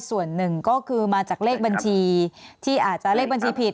ส่วนหนึ่งก็คือมาจากเลขบัญชีที่อาจจะเลขบัญชีผิด